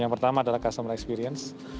yang pertama adalah customer experience